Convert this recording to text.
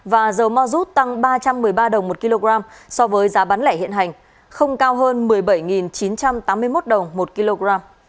và dầu ma rút tăng ba trăm một mươi ba đồng một kg so với giá bán lẻ hiện hành không cao hơn một mươi bảy chín trăm tám mươi một đồng một kg